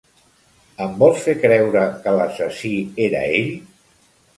Em vols fer creure que l'assassí era ell?